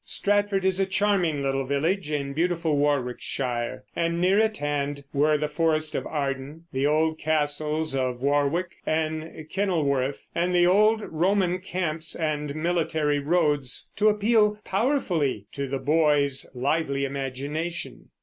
Stratford is a charming little village in beautiful Warwickshire, and near at hand were the Forest of Arden, the old castles of Warwick and Kenilworth, and the old Roman camps and military roads, to appeal powerfully to the boy's lively imagination.